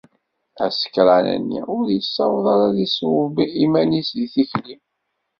Asekṛan-nni ur yessaweḍ ara ad iṣewweb iman-is deg tikli.